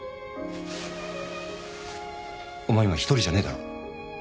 お前今１人じゃねえだろ？